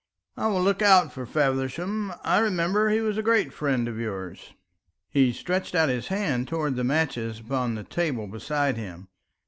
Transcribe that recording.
"I will look out for Feversham. I remember he was a great friend of yours." He stretched out his hand towards the matches upon the table beside him.